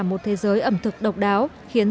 một thế giới ẩm thực độc đáo khiến